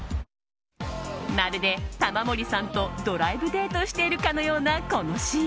まるで玉森さんとドライブデートしているかのような、このＣＭ。